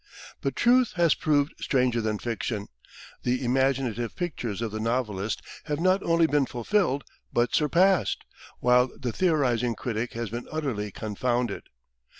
But truth has proved stranger than fiction. The imaginative pictures of the novelist have not only been fulfilled but surpassed, while the theorising critic has been utterly confounded.